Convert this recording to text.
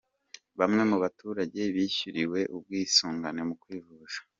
Bamwe mu baturage bishyuriwe ubwisungane mu kwivuza.